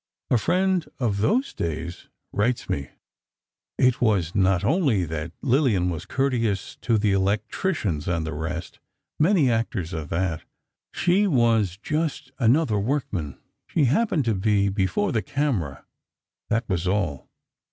A friend of those days writes me: "It was not only that Lillian was courteous to the electricians and the rest; many actors are that ... she was just another workman. She happened to be before the camera, that was all."